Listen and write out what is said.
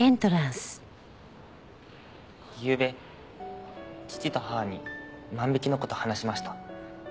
ゆうべ父と母に万引きの事を話しました。